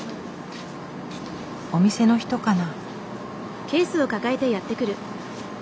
お店の人かな？